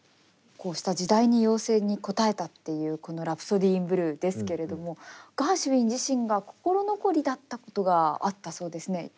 こうした時代に要請に応えたっていうこの「ラプソディー・イン・ブルー」ですけれどもガーシュウィン自身が心残りだったことがあったそうですね。